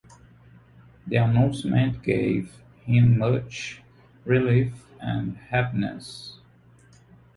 The announcement gave him much relief and happiness.